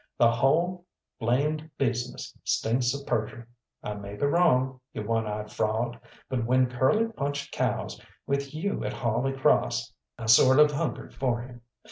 The hull blamed business stinks of perjury. I may be wrong, you one eyed fraud, but when Curly punched cows with you at Holy Crawss I sort of hungered for him.